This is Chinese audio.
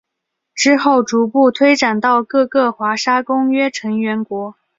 之后逐步推展到各个华沙公约成员国。